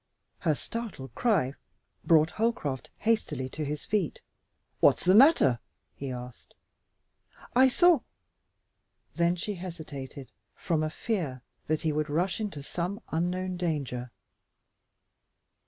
Her startled cry brought Holcroft hastily to his feet. "What's the matter?" he asked. "I saw " Then she hesitated from a fear that he would rush into some unknown danger.